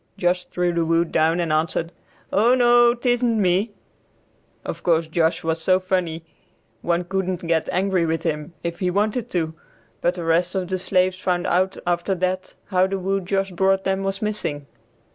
Josh threw the wood down and answered, "O no, tisn't me." Of course Josh was so funny one couldn't get angry with him if he wanted to; but the rest of the slaves found out after that how the wood Josh brought them, was missing.